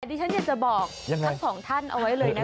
ที่ฉันอยากจะบอกทั้งสองท่านเอาไว้เลยนะคะ